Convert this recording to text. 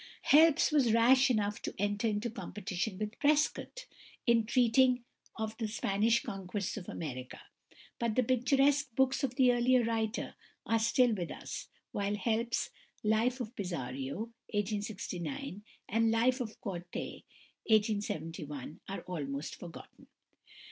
Helps was rash enough to enter into competition with Prescott in treating of the Spanish Conquest of America; but the picturesque books of the earlier writer are still with us while Helps's "Life of Pizarro" (1869) and "Life of Cortes" (1871) are almost forgotten.